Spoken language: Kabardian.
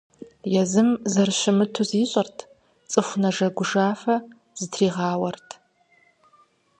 Езым зэрыщымыту зищӀырт, цӀыху нэжэгужэу фэ зытригъауэрт.